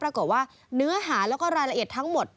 ปรากฏว่าเนื้อหาแล้วก็รายละเอียดทั้งหมด